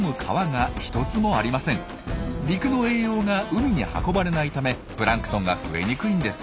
陸の栄養が海に運ばれないためプランクトンが増えにくいんです。